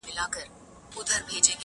لكه گلاب چي شمال ووهي ويده سمه زه